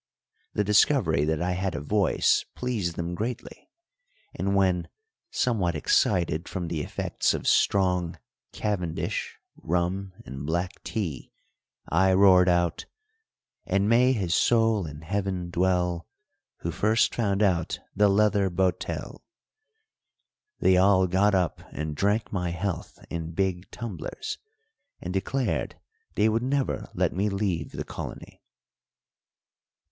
The discovery that I had a voice pleased them greatly, and when, somewhat excited from the effects of strong cavendish, rum, and black tea, I roared out: And may his soul in heaven dwell Who first found out the leather botél, they all got up and drank my health in big tumblers, and declared they would never let me leave the colony.